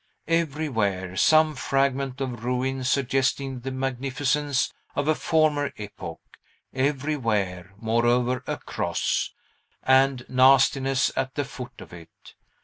Everywhere, some fragment of ruin suggesting the magnificence of a former epoch; everywhere, moreover, a Cross, and nastiness at the foot of it.